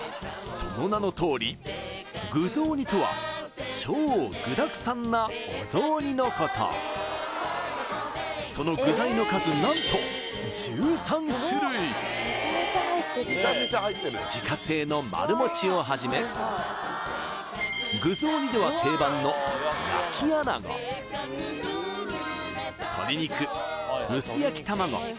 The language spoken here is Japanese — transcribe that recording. その名のとおり具雑煮とは超具だくさんなお雑煮のことその具材の数何と自家製の丸餅をはじめ具雑煮では定番の鶏肉薄焼き玉子